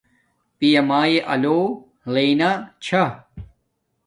پیا مایے آلو لینا چھا